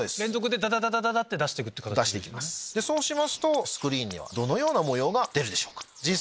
そうしますとスクリーンにはどのような模様が出るでしょう？